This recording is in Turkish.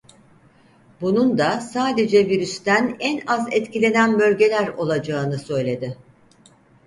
Bunun da sadece "Virüs'ten en az etkilenen bölgeler" olacağını söyledi.